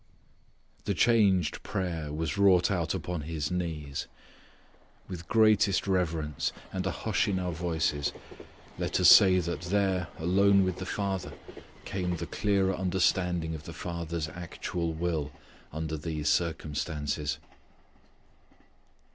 _" The changed prayer was wrought out upon His knees! With greatest reverence, and a hush in our voices, let us say that there alone with the Father came the clearer understanding of the Father's actual will under these circumstances.